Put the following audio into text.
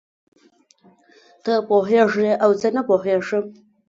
ته پوهېږې او زه نه پوهېږم.